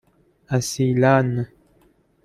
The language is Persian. اصیلا